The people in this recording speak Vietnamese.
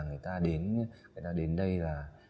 người ta đến đây là